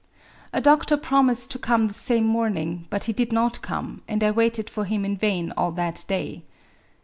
A doctor promised to come the same morning, but he did not come, and I waited for him in vain all that day.